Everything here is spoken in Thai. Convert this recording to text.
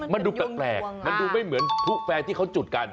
มันดูแปลกมันดูไม่เหมือนพลุแฟร์ที่เขาจุดกัน